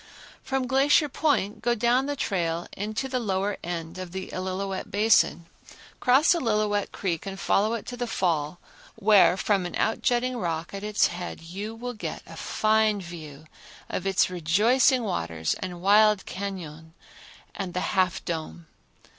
From Glacier Point go down the trail into the lower end of the Illilouette basin, cross Illilouette Creek and follow it to the Fall where from an outjutting rock at its head you will get a fine view of its rejoicing waters and wild cañon and the Half Dome.